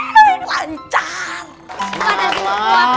semua nasibnya kuat